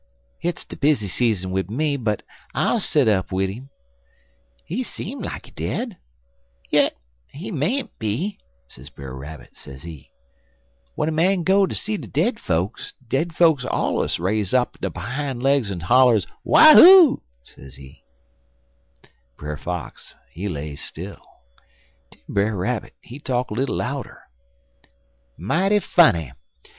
Hit's de busy season wid me, but I'll set up wid 'im. He seem like he dead, yit he mayn't be,' sez Brer Rabbit, sezee. 'W'en a man go ter see dead fokes, dead fokes allers raises up der behime leg en hollers, wahoo!' sezee. "Brer Fox he stay still. Den Brer Rabbit he talk little louder: "'Mighty funny.